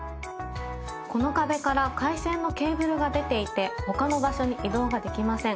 この壁から回線のケーブルが出ていて他の場所に移動ができません。